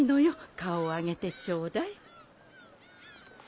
顔を上げてちょうだい。